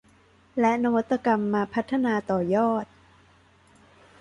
และนวัตกรรมมาพัฒนาต่อยอด